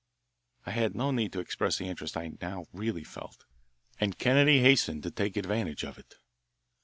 I had no need to express the interest I now really felt, and Kennedy hastened to take advantage of it.